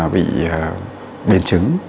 bị biến chứng